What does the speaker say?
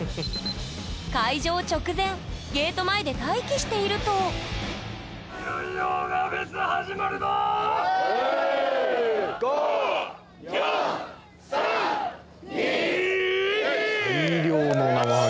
開場直前ゲート前で待機していると大量のナマハゲ。